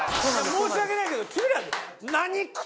申し訳ないけど君ら。